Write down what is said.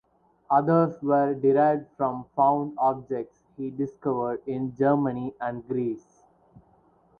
Others were derived from found objects he discovered in Germany and Greece.